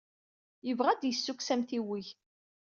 Yebɣa ad d-yessukkes amtiweg.